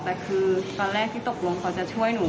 แต่คือตอนแรกที่ตกลงเขาจะช่วยหนู